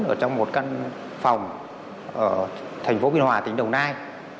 ở trong một căn phòng ở tp hcm tỉnh đồng nai